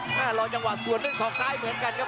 รอจังหวะสวนด้วยศอกซ้ายเหมือนกันครับ